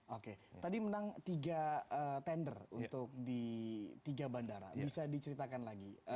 oke tadi menang tiga tender untuk di tiga bandara bisa diceritakan lagi